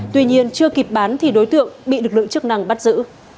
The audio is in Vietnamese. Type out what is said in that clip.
tuy nhiên chưa kịp bán thì đối tượng bị lực lượng chức năng bắt giữ